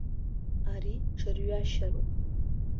Ари ҽырҩашьароуп!